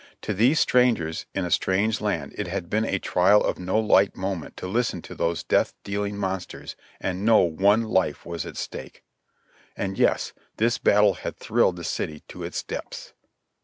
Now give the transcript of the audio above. To these strangers in a strange land it had been a trial of no light moment to listen to those death dealing monsters and know one life was at stake. Ah, yes, this battle had thrilled the city to its depths